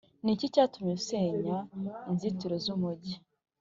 Ni iki cyatumye usenya inzitiro z’umujyi?